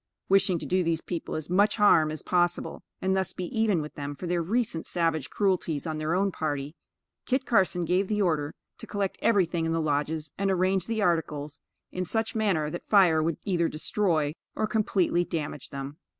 Wishing to do these people as much harm as possible, and thus be even with them for their recent savage cruelties on their own party, Kit Carson gave the order to collect everything in the lodges and arrange the articles in such manner that fire would either destroy, or completely damage them.